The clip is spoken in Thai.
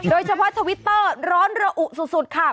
โดยเฉพาะทวิตเตอร์ร้อนระอุสุดค่ะ